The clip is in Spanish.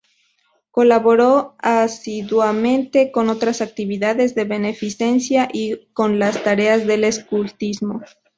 Colaboró asiduamente con otras actividades de beneficencia y con las tareas del escultismo.